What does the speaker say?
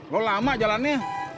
gua lama jalannya